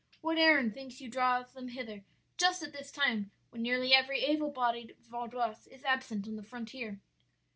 What errand think you draws them hither just at this time, when nearly every able bodied Vaudois is absent on the frontier?'